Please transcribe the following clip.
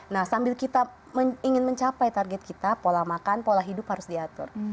nah sambil kita ingin mencapai target kita pola makan pola hidup harus diatur